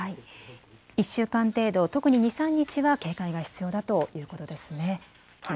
１週間程度、特に２、３日は警戒が必要だということですね。